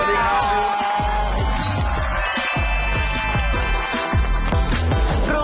สวัสดีครับ